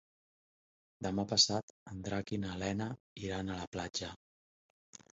Demà passat en Drac i na Lena iran a la platja.